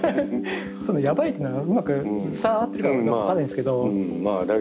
そのやばいってのがうまく伝わってるか分かんないんですけど。